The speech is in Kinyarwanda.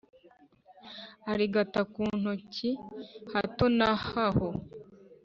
Arigata ku ntoki hato na haho!